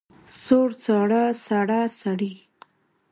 سوړ، ساړه، سړه، سړې.